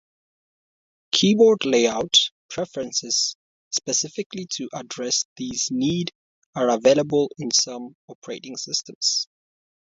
Keyboard layout preferences specifically to address this need are available in some operating systems.